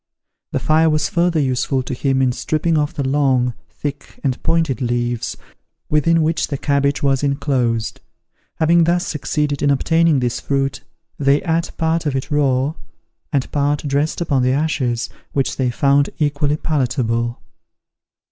The fire was further useful to him in stripping off the long, thick, and pointed leaves, within which the cabbage was inclosed. Having thus succeeded in obtaining this fruit, they ate part of it raw, and part dressed upon the ashes, which they found equally palatable.